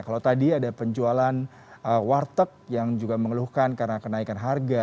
kalau tadi ada penjualan warteg yang juga mengeluhkan karena kenaikan harga